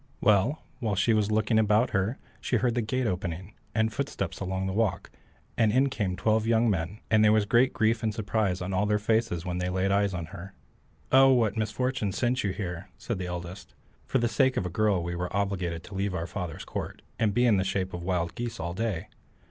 Well, while she was looking about her she heard the gate opening, and footsteps along the walk, and in came twelve young men, and there was great grief and surprise on all their faces when they laid eyes on her. "Oh, what misfortune sent you here?" said the eldest. "For the sake of a girl we were obliged to leave our father's court, and be in the shape of wild geese all day.